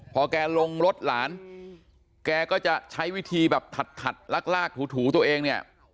พอแกลงรถหลานแกก็จะใช้วิธีแบบถัดลากถูตัวเองเนี่ย